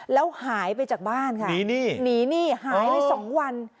แล้วหายไปจากบ้านค่ะหนีหนี้หายไป๒วัน